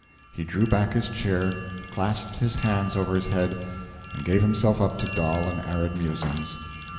He drew back his chair, clasped his hands over his head, and gave himself up to dull and arid musings.